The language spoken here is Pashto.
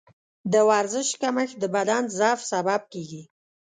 د ورزش کمښت د بدن ضعف سبب کېږي.